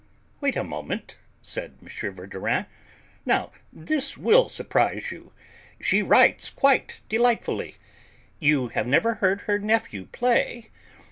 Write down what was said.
"Wait a moment," said M. Verdurin, "now, this will surprise you; she writes quite delightfully. You have never heard her nephew play?